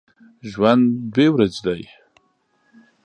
ژوند دوې ورځي دی